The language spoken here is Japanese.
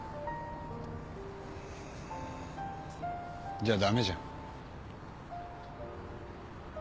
じゃダメじゃん。